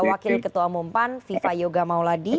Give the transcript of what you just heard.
wakil ketua umum pan viva yoga mauladi